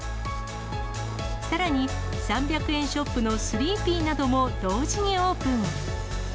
さらに、３００円ショップのスリーピーなども同時にオープン。